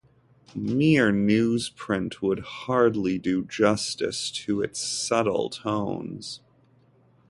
Mere newsprint would hardly do justice to its subtle tones.